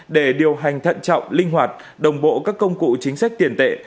để điều hành thận trọng linh hoạt đồng bộ các công cụ chính sách tiền tệ